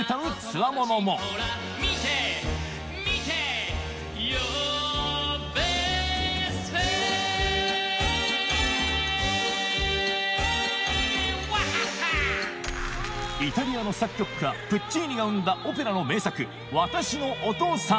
ワハハーイタリアの作曲家プッチーニが生んだオペラの名作『私のお父さん』